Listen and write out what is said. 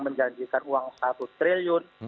menjanjikan uang satu triliun